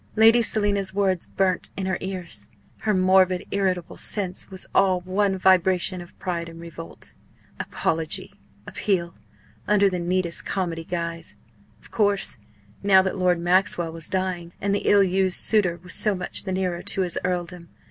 Lady Selina's words burnt in her ears. Her morbid, irritable sense was all one vibration of pride and revolt. Apology appeal under the neatest comedy guise! Of course! now that Lord Maxwell was dying, and the ill used suitor was so much the nearer to his earldom.